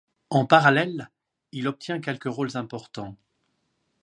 En parallèle, il obtient quelques rôles importants.